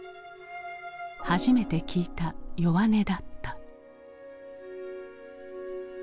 初めて聞いた弱音だった。